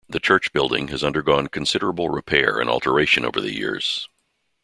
The church building has undergone considerable repair and alteration over the years.